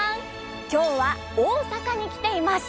今日は大阪に来ています。